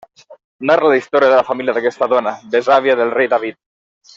Narra la història de la família d'aquesta dona, besàvia del rei David.